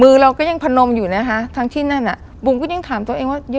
เราก็ยังพนมอยู่นะคะทั้งที่นั่นอ่ะบุ๋มก็ยังถามตัวเองว่า